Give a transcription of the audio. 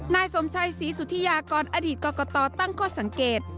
นายสมชัยศรีสุธิยากรอดีตกรกตตั้งข้อสังเกต